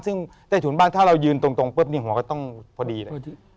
ซึ่งใต้ถุนบ้านถ้าเรายืนตรงปุ๊บนี่หัวก็ต้องพอดีเลย